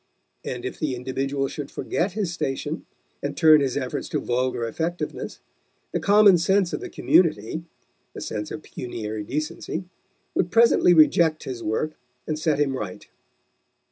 And if the individual should forget his station and turn his efforts to vulgar effectiveness, the common sense of the community the sense of pecuniary decency would presently reject his work and set him right.